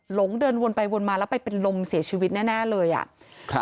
หลงเดินวนไปวนมาแล้วไปเป็นลมเสียชีวิตแน่แน่เลยอ่ะครับ